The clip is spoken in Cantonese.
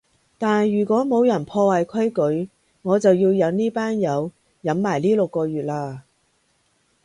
但如果冇人破壞規矩，我就要忍呢班友忍埋呢六個月喇